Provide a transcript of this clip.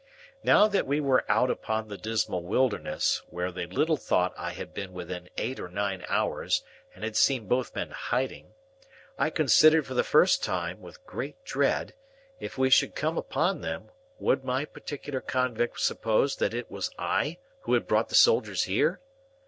Now that we were out upon the dismal wilderness where they little thought I had been within eight or nine hours and had seen both men hiding, I considered for the first time, with great dread, if we should come upon them, would my particular convict suppose that it was I who had brought the soldiers there?